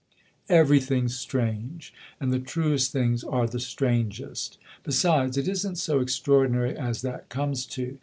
" Everything's strange and the truest things are the strangest. Besides, it isn't so extraordinary as that comes to.